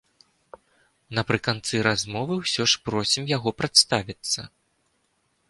Напрыканцы размовы ўсё ж просім яго прадставіцца.